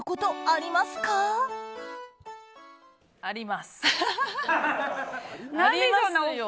ありますよ。